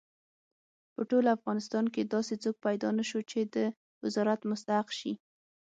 په ټول افغانستان کې داسې څوک پیدا نه شو چې د وزارت مستحق شي.